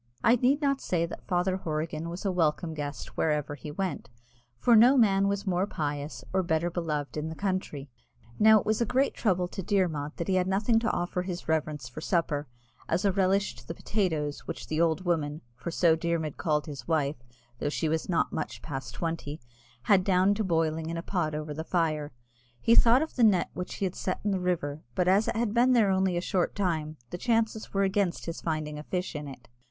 I need not say that Father Horrigan was a welcome guest wherever he went, for no man was more pious or better beloved in the country. Now it was a great trouble to Dermod that he had nothing to offer his reverence for supper as a relish to the potatoes, which "the old woman," for so Dermod called his wife, though she was not much past twenty, had down boiling in a pot over the fire; he thought of the net which he had set in the river, but as it had been there only a short time, the chances were against his finding a fish in it.